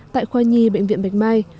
tại khoa nhi bệnh viện bạch mai